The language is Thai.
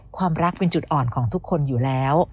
ความรักเป็นจุดอ่อนของทุกคนอยู่แล้ว